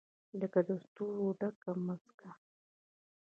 لکه د ستورو ډکه مځکه